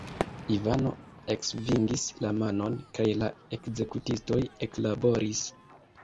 Ivano eksvingis la manon, kaj la ekzekutistoj eklaboris.